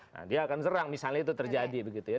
nah dia akan serang misalnya itu terjadi begitu ya